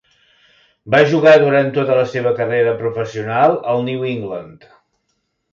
Va jugar durant tota la seva carrera professional al New England.